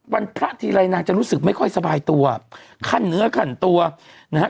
วันพระทีไรนางจะรู้สึกไม่ค่อยสบายตัวขั้นเนื้อขั้นตัวนะฮะ